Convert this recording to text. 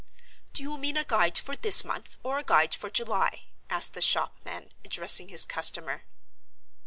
"Do you mean a Guide for this month or a Guide for July?" asked the shopman, addressing his customer.